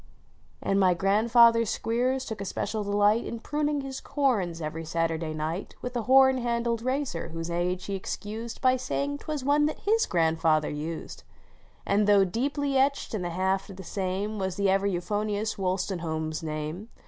And my grandfather Squeers took a special delight In pruning his corns every Saturday night 3 ,~ < " With a horn handled razor, whose edge he excused By saying twas one that his grandfather used ;" And, though deeply etched in the haft of the same Was the ever euphonious Wostenholm s name.